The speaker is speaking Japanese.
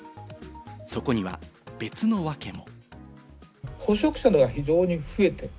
そこには別のワケも。